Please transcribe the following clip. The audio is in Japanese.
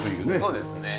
そうですね。